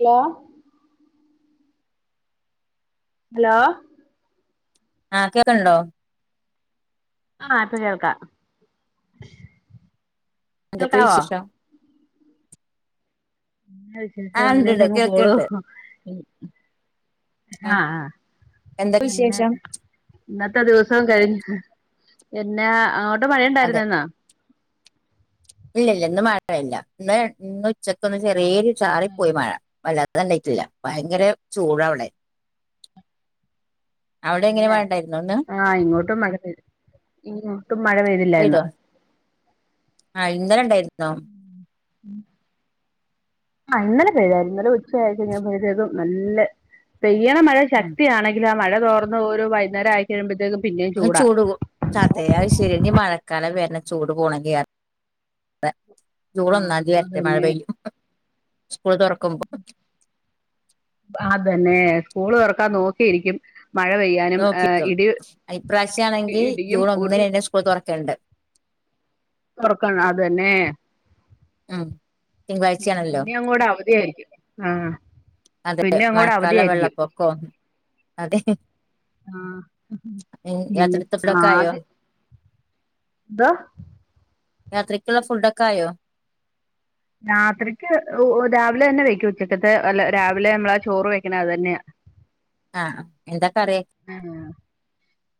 Hello hello ങാ കേക്കണൊണ്ടോ ങാ ഇപ്പൊ കേൾക്കാം എന്തൊക്കെയാ കേൾക്കാവോ വിശേഷം എന്താ വിശേഷം ആഹ് ഉണ്ട്ണ്ട് അങ്ങനെയൊക്കെയങ്ങ് പോണു കേൾക്കണ്ട് ങാ ങാ എന്തൊക്കെ പിന്നങ്ങനെ വിശേഷം ഇന്നത്തെ ദിവസോം കഴിഞ്ഞ് പിന്നെ അങ്ങോട്ട് ഇവിടെ മഴയുണ്ടായിരുന്നന്നാ ഇല്ലല്ല ഇന്ന് മഴയില്ല ഇന്ന് ഇന്ന് ഉച്ചക്ക് ഒന്ന് പേരിനു ചാറിപ്പോയി മഴ വല്ലാത അത്ണ്ടായിട്ടില്ല ഭയങ്കര ചൂട അവടെ അതേല്ലേ ങാ ഇങ്ങോട്ടും മഴ പെയ്തി ഇങ്ങോട്ടും മഴ പെയ്തില്ല ഇന്ന് ങാ ഇന്നലെ ണ്ടായിരുന്നു [unintelligible] ഉം ആ ഇന്നലെ പെയ്തായിരുന്നു ഇന്നലെ ഉച്ചയായികയ്ഞപം നല്ല ഒരു പെയ്യണ മഴ ഉം ശക്തിയാണെങ്കില മഴ തോർന്ന് ഒരു വൈുന്നേരായിക്കഴിയുമ്പോഴത്തേക്കും അ ചൂടുകു ചാതെ അയ് ശരി നിമഴ കല വരുന്ന ചൂട് പോണെങ്കിൽ ജൂൺ ആഹ് ഒന്നാം തീയതി വരത്തെ മഴ അതന്നെ പെയ്യും സ്കൂൾ തുറക്കുമ്പോ അതന്നേ സ്കൂള് തൊറക്കാൻ നോക്കിയിരിക്കും മഴ പെയ്യാനും നോക്കിക്കും ഇടി ഇപ്രാവശ്യമാണെങ്കിൽ ഇടിയും ജൂൺ ഉരുൾ ഒന്നിന് എന്നെ സ്കൂൾ തുറക്കേണ്ട് തുറക്കണം അതന്നെ ആ പിന്നെ അങ്ങോടെ അവധിയായിരിക്കും ആഹ അതെ പിന്നെ അങ്ങോടെ മഴക്കാലം അവധിയയിരിക്കും വെള്ളപ്പൊക്കവും അതെ യാത്രത്തെ ഫുഡൊക്കെ ആയോ ആത് എന്ത്വാ യാത്രക്കുള്ള ഫുഡൊക്ക ആയോ രാത്രിക്ക് രാവിലെ തന്നെ വെക്കും ഉച്ചക്കത്തെ അല്ല രാവിലെ നമ്മളാ ചോറ് വെക്കണ അത് തന്നെയാ ങാ ഏതാ ങാ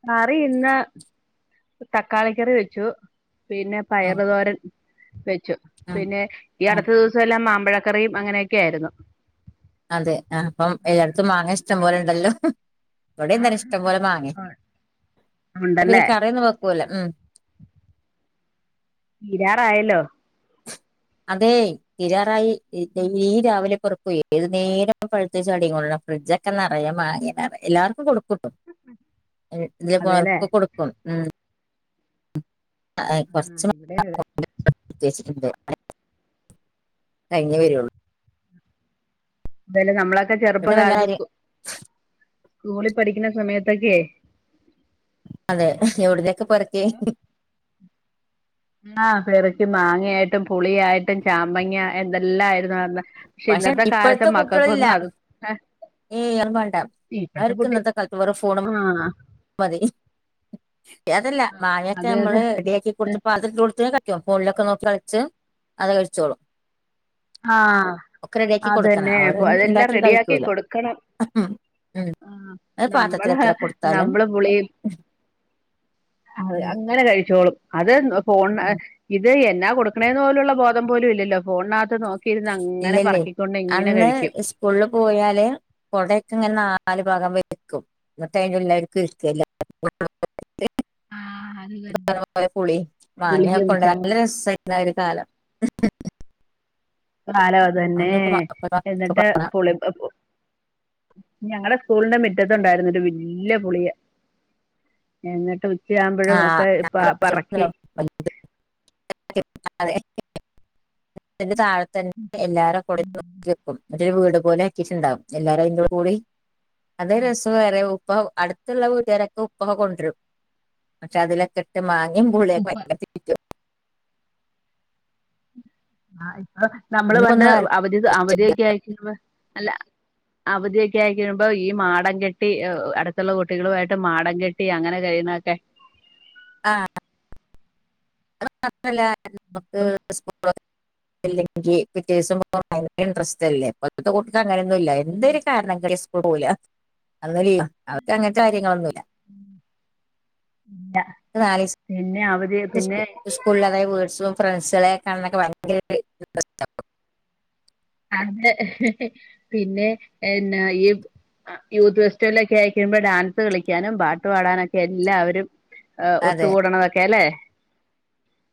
കറി ഇന്ന തക്കാളിക്കറി വെച്ചു പിന്നെ ഉം പയറ് തോരൻ വെച്ചു ഉം പിന്നെ ഈ ഉം അടുത്ത ദിവസം എല്ലാം മാ മാങ്ങാക്കറിയും അങ്ങനെയൊക്കെ ആയിരുന്നു. അതെ ആ അപ്പം എല്ലായിടത്തും മാങ്ങ ഇഷ്ടം പോലെ ഉണ്ടല്ലോ ഇവിടെ ആഹ് എന്തായാലും ഇഷ്ടം പോലെ മാങ്ങേ പിന്നെ ഉണ്ടല്ലേ കറിയൊന്നും വെക്കൂല്ല. ഉം തീരാറായല്ലോ. അതേ തിരാറായി. [unintelligible] ഈ രാവിലെ പുറപെ ഏത് നേരം പഴുത്ത് ചാടികൊണ്ടാ ഫ്രിഡ്ജൊക്കെ നറെയെ മാങ്ങന്നെയാണ് എല്ലാർക്കും കൊടു ക്കും അതേല്ലേ [unintelligible] കൊടുക്കും ഉം ആ ആഹ് കുറച്ചു ഇവിടെ [unintelligible] കൊടുത്തയച്ചു. [unintelligible] അത് കഴിഞ്ഞേ വരുള്ളൂ. അതല്ലേ നമ്മളെ ത്തെ ഇവിടെ പിന്നെ ചെറുപ്പകാലത്ത് വല്ലാരും സ്കൂ സ്കൂളിൽ പഠിക്കുന്ന സമയത്ത് അതൊക്കേ അതെ എവിട്ന്നെ കെ പറക്കി ആ പെറക്കി മാങ്ങയായിട്ടും പുളിയായിട്ടും ചാമ്പങ്ങ എന്തെല്ല ആയിരുന്നു അന്ന്. പക്ഷെ ഇന്നത്തെ കാലത്തെ ഇപ്പോഴത്തെ കുട്ടികളില്ല മക്കൾക്കൊന്നും അത് ഹെ ഏയ് അത് വേണ്ട അവർക്ക് ഇന്നത്തെ കാലത്ത് വേറെ ഫോണും ആഹ് മതി. ഏതല്ല മാങ്ങയൊക്കെ അതെ അതെ നമ്മള് റെഡിയാക്കി കൊടുത്ത് പാത്രത്തിൽ ഇട്ട് കൊടുത്തു കഴിഞ്ഞ കയി [unintelligible] ഓപ്പോള്ളൊക്കെ നോക്കി കയിച്ച് അത് കഴിച്ചോളും. ആഹ ഒക്കെ റെഡിയാക്കി കൊടുക്കണം അതന്നെ അവര് അപ്പൊ അതെല്ലാം ഇണ്ടാക്കി റെഡിയാക്കി കഴിക്കൂല കൊടു ക്കണം ഉം ആ അത് പാത്രത്തിൽ നമ്മള് എത്ര കൊടുത്താലും നമ്മളെ വുളിൽ അഹ് ഉം അങ്ങനെ കഴിച്ചോളും. അതെ ന്നു ഫോൺ ഇത് എൻ ന്താ കൊടുക്കണേന്ന്ള്ള പോലുള്ള ബോദം പോലും ഇല്ലല്ലോ ഫോണിനകത്ത് നോ ഇല്ലല്ലേ അന്ന് സ്കൂളിൽ പോയാല് കൊടയക്കെ ഇങ്ങനെ നാല് ഭാഗം വക്കുംന്നട്ട് അയില് എല്ലാർക്കും ഇര്ക്കല്ലേ [unintelligible] ആഹ് അത് തന്നെ [unintelligible] പുളി ഗുളികയും മാങ്ങക്കെകൊണ്ട് ചായ നല്ല രസമായിരുന്നു ആ ഒരു കാലം. കാലം അതന്നെ അന്ന് ഇപ്പൊ മക്കൾക്ക് എന്നിട്ട് പറഞ്ഞാ പുളി ഞങ്ങള് സ്കൂളിന്റെ മിറ്റത്ത്ണ്ടായിരുന്നു ഒരു വല്ല്യ പുളിയ് എന്നിട്ട് ഉച്ചയാകുമ്പോഴും ഒക്കെ പ- പറക്കി ആഹ [unintelligible] ന്റെ താഴ തന്നെ എല്ലാരും കൊടു നോക്കി വെക്കും മറ്റൊരു വീട് പോലെ ക്കിട്ടുണ്ടാവും എല്ലാരും [unintelligible] കൂടി അതെ രസം വേറെ പ്പം അടുത്തുള്ള വീട്ടാരക്ക് ഉപ്പക കൊണ്ടരും പക്ഷെ അതിലൊക്കെ ഇട്ട് മാങ്ങ നീ പൂളേ [unintelligible] ആഹ നമ്മള് പണ്ട് ഇന്നിപ്പൊന്നും ആർക്കും അവധി ആവശ്യമില്ല. അവധിയൊക്കെ ആയി [inaudible] അല്ല അവധിയ കുട്ടി ആയി തീരുമ്പോ ഈ മാടം കെട്ടി അടുത്തൊള്ള കുട്ടികളുമായിട്ട് മാടം കെട്ടി അങ്ങനെ കഴിയുന്നൊക്കെ ആഹ [unintelligible] ല്ല നമുക്ക് സ്കൂള അല്ലെങ്കിൽ പിറ്റേദിവസം [inaudible] ഇൻട്രസ്റ്റ് അല്ലേ [inaudible] അങ്ങനെയൊന്നും ഇല്ല എന്തൊരു കാരണം [unintelligible] പോവൂല അന്ന ലീ അവർക്ക് അങ്ങനത്തെ കാര്യങ്ങളൊന്നുമില്ല നാലീസം പിന്നെ അവധി പിന്നെ [unintelligible] സ്കൂളിൽതായ വേർഡ്‌സും ഫ്രണ്ട്സു ളെക്കണൊക്കെ ഭയങ്കര ഇൻട്രസ്റ്റ് ആകും അന്ന് ഹി ഹി പിന്നെ എന്നാ ഈ യൂത്ത് ഫെസ്റ്റിവലൊക്കെ ആയിക്കഴിയ്മ്പോ ഈ ഡാൻസ് കളിക്കാനും പാട്ട് പാടാനൊക്കെ എല്ലാവരും അതെ ഒത്തുകൂടണതൊക്കെ അല്ലേ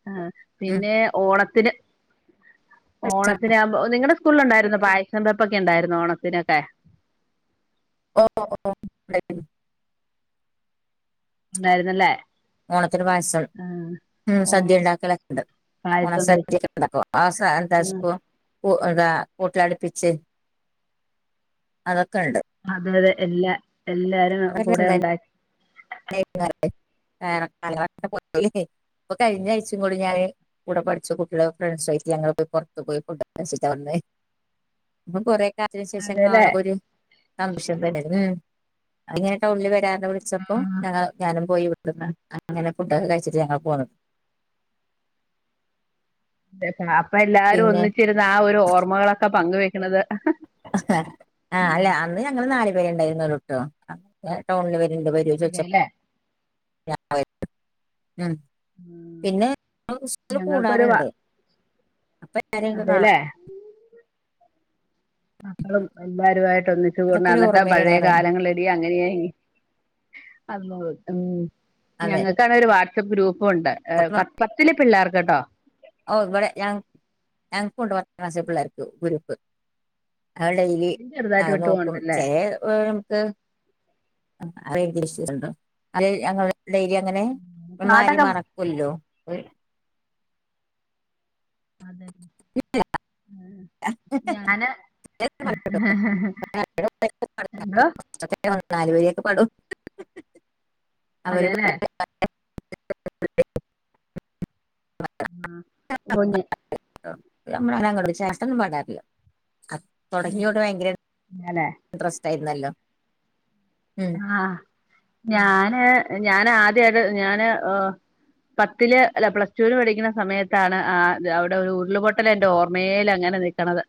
ആ ഉം. പിന്നെ ഓണ പിന്നെ രസാണ്. ഓണത്തിന് ആവുമ്പ നിങ്ങടെ സ് സ്കുൾല്ണ്ടായിരുന്നൊ പായസം വെപ്പൊക്കെ ഉണ്ടായിരുന്നൊ ഓണത്തിനൊക്കെ ഓ ഓ ണ്ടായി നി ഉണ്ടായിരുന്നല്ലേ ഓണത്തിന് പായസം ആഹ് ഉ ഓ സദ്യ ഉണ്ടാക്കലൊക്കണ്ട് ഓണ പായസം വെച്ച് സദ്യൊക്ക ഉണ്ടാക്കും ആ ആഹ് [unintelligible] പൂ [unintelligible] ലട്പ്പിച്ച് അതൊ അതെ അതെ എല്ല എല്ലാരും അതൊക്കെ കൂടെ ഉണ്ടാക്കി [unintelligible] ഇപ്പൊ കഴിഞ്ഞ ആഴ്ച്ചിം കൂടി ഞാന് കൂടെ പഠിച്ച കുട്ടികള ഫ്രണ്ട്സയിട്ട് ഞങ്ങൾ പോയി പുറത്തു പോയി ഫുഡ് ഒക്കെ കഴിച്ചിട്ടാവന്നേ പ്പം കൊറെ അതിനു ശേഷം അതെല്ലേ കാണുമ്പോ ഒരു [unintelligible] തന്നെ ഉം അങ്ങനെ ടൗണിൽ വരാ ന്ന് വിളിച്ചപ്പോ ആഹ് [unintelligible] ഞാനും പോയി വിട്ടുന്ന അങ്ങനെ ഫുഡൊക്കെ കഴിച്ചിട്ട് ഞങ്ങൾ പോന്ന് [unintelligible] അപ്പൊ എല്ലാരും ഒന്നിച്ചിരുന്ന ആ ഒരു ഓർമ്മകളൊക്കെ പങ്കുവെ ക്ക്ണത് ആഹ് അല്ല അന്ന് ഞങ്ങള് നാല് പേരുണ്ടായി ന്നൊള്ളൂട്ടോ ഞാൻ ടൗണിൽ വരു ഇന്ന് വരോ ചോയ്ച്ച അതെല്ലേ ഞാൻ [unintelligible] ഉം ഉം പിന്നെ [unintelligible] സ്കൂളിൽ ഞങ്ങൾക്കൊരു വ കൂടാറുണ്ട് അപ്പ കരയൊക്കെ കാണാ അതെല്ലേ മക്കളും എല്ലാരുആയി ട്ട് ഒന്നിച്ചു കൂടണ അതൊക്കെ ഒരു എന്നന്നിട്ടാ പഴയ ഓർമ്മയിലേറെ കാലങ്ങളടി അങ്ങനെയെ ഇങ്ങ അന്നു ഉം അതെ ഞങ്ങൾക്കാണ രു വാത്ത ശഗ്രൂ ഇപ്പൊണ്ട് പത്ത് പത്തില് പിള്ളേർക്ക്ട്ടോ ഓ ഇവിടെ ഞ ഞങ്ങക്ക്ണ്ട് പത്താം ക്ലസിലെ പിള്ളേർക്ക് ഗ്രൂപ്പ് ആ ഡെലി ചെറുതായിട്ട് അത് വിട്ടു നോക്കും പോണ്ടല്ലേ ചെ [inaudible] ആ റേഞ്ച് ഇഷ്യൂസ് [unintelligible] ഞങ്ങടെ ഡെയിലി അങ്ങനെ മാരി പാട്ടൊക്കെ മറക്കൊല്ലോ അതന്നെ ഇ [unintelligible] ല്ല ഞാന് ചിലര് പറയും കേട്ടോ, "ആ, [unintelligible] എന്തോ നാലു വര്യക്കെ പാടു അതെല്ലേ [unintelligible] [unintelligible] അഉ മൊഞ് നമ്മ ഞങ്ങള [unintelligible] ശേഷംന്നും പാട്ടാറില്ല അ തുടങ്ങിയോട്ട ഭയങ്കര ഇൻട്രസ്റ്റ് ആയിരുന്നല്ലോ. ഉം ആഹ് ഞാന് ഞാൻ ആദ്യത്‌ ഞാന് പത്തില് അല്ല പ്ലസ്ടുവിൽ പഠിക്കുന്ന സമയത്താണ് ആ അവിടെ ഒരു ഉരുളപൊട്ടലെന്റെ ഓർമേലങ്ങനെ നിക്ക്ണത്.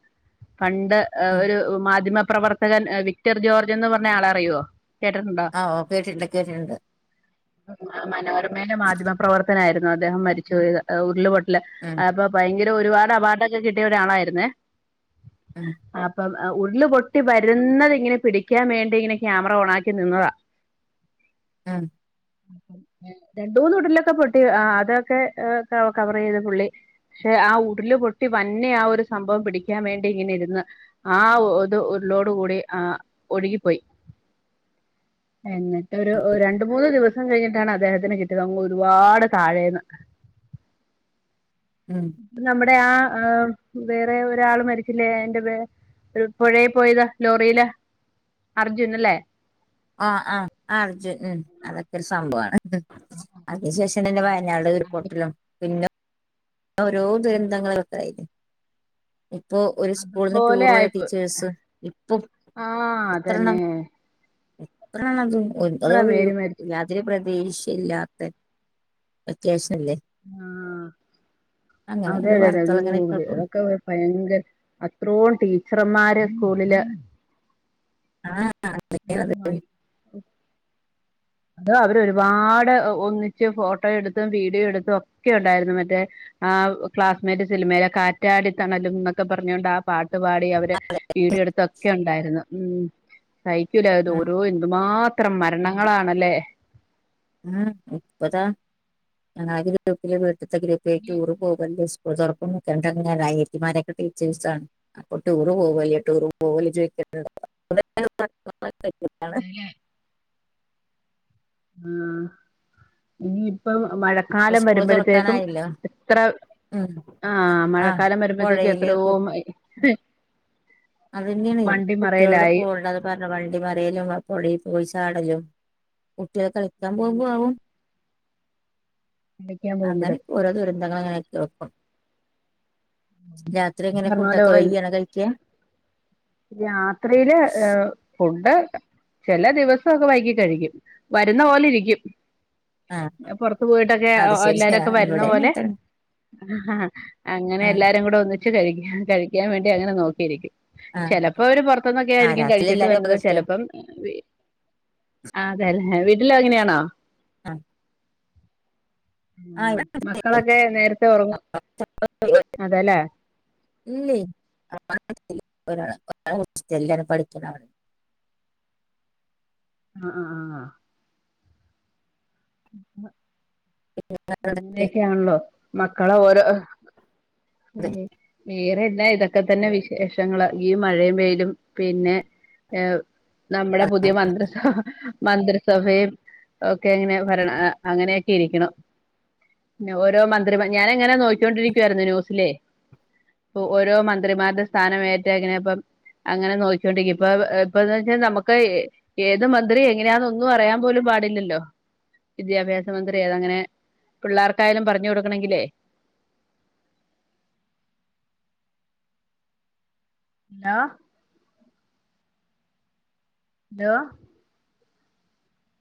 പണ്ട് ഉം ഒരു മാധ്യമ പ്രവർത്തകൻ വിക്ടർ ജോർജ് എന്ന് പറഞ്ഞ ആളെ അറിയോ ആ ഓക്കേ ച്ച്ണ്ട് [unintelligible] കേട്ടിട്ടുണ്ട് ഉ മന [unintelligible] മാധ്യമപ്രവർത്തനായിരുന്നു അദ്ദേഹം മരിച്ച പോയ്ത് ല്ല ഉം അപ്പൊ ഭയങ്കര ഒരുപാട് അവാർഡൊക്കെ കിട്ടിയ ഒര് ആളായിരുന്നേ ഉം അപ്പമം ഉരുള് പൊട്ടി വരുന്നുന്നത് ഇങ്ങനെ പിടിക്കാൻ വേണ്ടി ഇങ്ങനെ ക്യാമറ ഓൺ ആക്കി ക്കിനിന്നതാ ആംമ് രണ്ട് മൂന്ന് ഉരുൾലൊക്കെ പൊട്ടി അതൊക്കെ കവറയ്ത് പുള്ളി ക്ഷെ ആ ഉരില് പൊട്ടി വന്നെ ആ ഒരു സംഭവം പിടിക്കാൻ വേണ്ടി ഇങ്ങനെ ഇരുന്ന് ആഉരുളോട് കൂടി ആ ഒഴുകിപ്പോയി. എന്നിട്ടൊരു രണ്ട മൂന്ന് ദിവസം കഴിഞ്ഞിട്ടാണ് അദ്ദേഹത്തിന് കിട്ടിയത് അങ്ങ് ഒരുപാട് താഴേന്ന് ഉം നമ്മട് അടെ ആ ആ വേറെ ഒരാള് മരിച്ചില്ലേ എന്റെത് ഒരു പുഴയി പോയത് ലോറിയില് അർജുനല്ലേ ആ ആ അർജുൻ ഉം അതൊക്കെ ഒരു സംഭവാണ് ഉം അതിനു ശേഷം തന്നെ വയനാട് ഉരു പൊട്ടലും പിന്നെ ഓരോ ദുരന്തങ്ങള ഒക്കായായിരുന്നു. ഇപ്പൊ ഒരു സ്കൂളിന്ന് അതുപോലെ ടൂർ പോയ ആയിപ്പോ ടീച്ചേഴ്സ് ഇപ്പം ആഹ് എത്രണ്ണം അതന്നെ എത്രാണത് എത്ര പേര് മരിച്ചു [unintelligible] ദേഷ്യല്ലാത്തെ അത്യാവശ്യ ആ അങ്ങനെ അതെ ഓരോ അതെ അതെ വാർത്തകൾ അയ്യോ [unintelligible] ഇങ്ങനെ കേൾക്കും അതൊക്കെ ഭയങ്കര അത്രോം ടീ ചെറമ്മാര് സ്കൂളില് ആ ആ അതൊക്കെ അതേ നഷ്ടമായി അത് അവര് ഒരുപാട് ഒന്നിച്ച് ഫോട്ടോ എടുത്തും വീഡിയോ എടുത്തും ഒക്കെ ഉണ്ടായിരുന്നു മറ്റേ ആ ക്ലാസ്മേറ്റ് സിലിമയിലെ കാറ്റാടിത്തണലും എന്നൊക്കെ പറഞ്ഞൊണ്ട് ആ പാട്ട് പാട്ട്പാടി അവര് വീഡിയോ എടുത്തൊക്കെ ഉണ്ടായിരുന്നു ഉം സഹിക്കൂലഅത് ഉം ഓരോ എന്തുമാത്രം ഇത്ര മരണങ്ങളാണ് അല്ലേ ഉം ഇപ്പതാ ഞ [unintelligible] ഇവിട്തെ ഗ്രൂപ്പില് ടൂർ പോകണ്ടേ സ് സ്കൂൾ തുറക്കുംക് രണ്ട് അനിയത്തി മാരൊക്കെ ടീച്ചേഴ്സ് ആണ് അപ്പൊ ടൂർ പോവല്ലേ ടൂർ പോവല്ലേ ചെയ്ക്ക്ന്ണ്ട് [unintelligible] [unintelligible] ആഹ് ഇനി ഇപ്പം ഇപ്പൊ സ്കൂള് തുറക്കാനായല്ലോ എത്ര ഉം ആഹ് ആഹ് മഴക്കാലം വരുമ്പോഴത്തേക്ക് പുഴയില് എത്രയോ കു അതെന്നേണ് വണ്ടി കുട്ട്യേളോട് മറയലായി പോണ്ടാന്ന് പറഞ്ഞ വണ്ടി മറിയലും പുഴൽ പോയി ചാടലും കുട്ട്യേള് കളിക്കാൻ പോകുമ്പോ ആവും കളിക്കാൻ അങ്ങനെ പോകുമ്പോഴും ഒക്കെ ഓരോ ദുരന്തങ്ങളങ്ങനെ കേൾക്കും രാത്രി എങ്ങനെ പറഞ്ഞ ഫുഡൊക്കെ പോലെ വൈകിയാണോ കഴിക്ക രാത്രിയില് ഏ കു ഫുഡ്‌ ചില ദിവസം ഒക്കെ വൈകി കഴിക്കും വരുന്ന പോലെ ഇരിക്കും ആഹ് പുറത്ത് പോയിട്ടൊക്കെ ഏ ഒ അത് ശരി എല്ലാരൊക്കെ വരുന്ന ഇവിടെ പോലെ അങ്ങനെ തന്നെ അങ്ങനെ ആഹ് എല്ലാരും കൂടെ ഒന്നിച് ഉച്ച കഴിഞ്ഞ് കഴിക്കാൻ വേണ്ടി അങ്ങനെ നോക്കിയിരിക്കും ആഹ് ചിലപ്പോ അവര് പുറത്തുന്നൊക്കെ ആഹ് ആയിരിക്കും രാത്രി കഴിച്ചിട്ട് എല്ലാരും വന്നത് അപകട ചിലപ്പോ, ആ അതേല്ലെ വീട്ടില അങ്ങനെയാണോ ആഹ് ആഹ് മക്കളൊക്കെ നേരത്തെ ഉറങ്ങു അതേല്ലേ ഇല്ലേ [unintelligible] എല്ലും പഠിക്കാണവിടെ ആഹ ആഹ ആഹ് ഹ് അവിടെ അങ്ങനെയൊക്കെയാണല്ലോ മക്കളൊ ഓരോ [inaudible] വേറെ പിന്നെ ഇതൊക്കെ തന്നെ വിശേഷങ്ങൾ ഈ മഴയും വെയിലും പിന്നെ ഏ നമ്മുടെ പുതിയ മന്ത്രിസഭ മന്ത്രിസഭയും ഒക്കെ എങ്ങനെ ഭരണം അങ്ങനെയൊക്കെ ഇരിക്കണം പിന്നെ ഓരോ മന്ത്രിമാർ ഞാനങ്ങനെ നോക്കിയോണ്ടിരിക്കുവായിരുന്നു ന്യൂസിലേ ഇപ്പൊ ഓരോ മന്ത്രിമാരുടെ സ്ഥാന ഏറ്റ എങ്ങനെപ്പം അങ്ങനെ നോക്കൊണ്ടിരിക്കും ഇപ്പൊ ഇപ്പന്ന് വെച്ചൽ നമുക്ക് ഏത് മന്ത്രി എങ്ങനെയാന്ന ഒന്നും അറിയാൻ പോലും പാടില്ലല്ലോ വിദ്യാഭ്യാസ മന്ത്രിഏത അങ്ങനെ പിള്ളേർക്കായാലും പറഞ്ഞു കൊടുക്കണമെങ്കിലേ ഹലോ ഹലോ